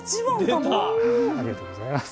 ありがとうございます。